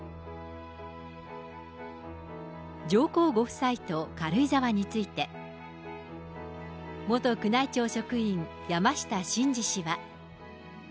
上皇ご夫妻と軽井沢について、元宮内庁職員、山下晋司氏は。